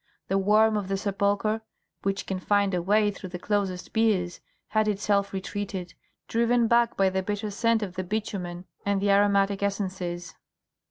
The worm of the sepulchre, which can find a way through the closest biers, had itself retreated, driven back by the bitter scent of the bitumen and the aromatic essences.